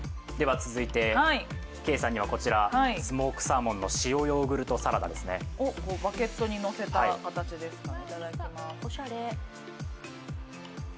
ケイさんにはこちら、スモークサーモンの塩ヨーグルトサラダですね。をバケットに乗せた形ですね。